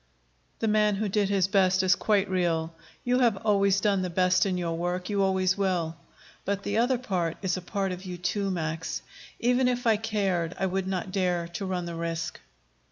"The man who did his best is quite real. You have always done the best in your work; you always will. But the other is a part of you too, Max. Even if I cared, I would not dare to run the risk."